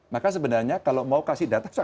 maka sebenarnya kalau mau kasih data